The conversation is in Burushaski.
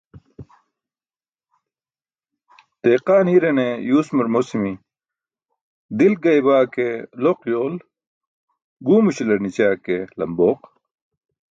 Deqaan hirane yuusmur mosimi: "dilk gaybaa ke loq yool guwmuśalar nićaa ke lambooq."